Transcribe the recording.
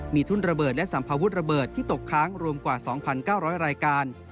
มีทุ่นระเบิดและสัมภาวุธระเบิดที่ตกค้างรวมกว่า๒๙๐๐รายการ